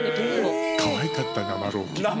かわいかった、生朗希。